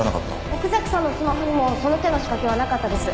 奥崎さんのスマホにもその手の仕掛けはなかったです。